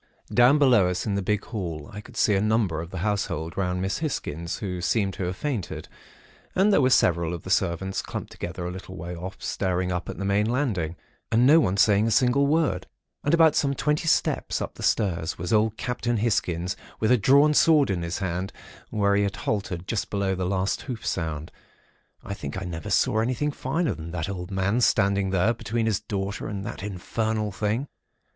"Down, below us in the big hall, I could see a number of the household round Miss Hisgins, who seemed to have fainted; and there were several of the servants clumped together a little way off, staring up at the main landing, and no one saying a single word. And about some twenty steps up the stairs was old Captain Hisgins with a drawn sword in his hand, where he had halted just below the last hoof sound. I think I never saw anything finer than the old man standing there between his daughter and that infernal thing.